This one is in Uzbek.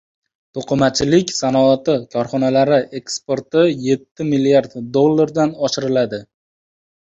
To‘qimachilik sanoati korxonalari eksporti yetti milliard dollardan oshiriladi